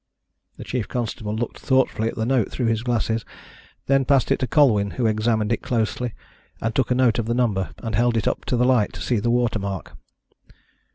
The chief constable looked thoughtfully at the note through his glasses, and then passed it to Colwyn, who examined it closely, and took a note of the number, and held it up to the light to see the watermark.